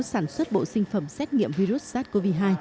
sản xuất bộ sinh phẩm xét nghiệm virus sars cov hai